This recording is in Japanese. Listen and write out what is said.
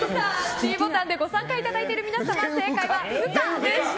ｄボタンでご参加いただいている皆様、不可でした。